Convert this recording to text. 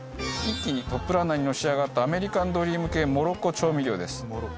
一気にトップランナーにのし上がったアメリカンドリーム系モロッコ調味料です。